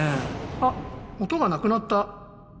あ音がなくなった。